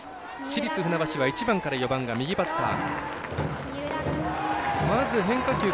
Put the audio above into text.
市立船橋は１番から４番が右バッター。